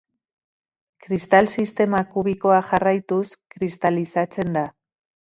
Kristal-sistema kubikoa jarraituz kristalizatzen da.